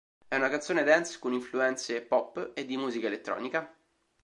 È una canzone dance con influenze pop e di musica elettronica.